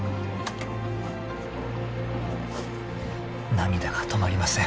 ［涙が止まりません］